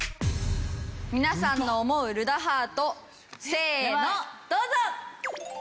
皆さんの思うルダハートせーのどうぞ！